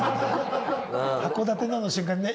「函館の」の瞬間ね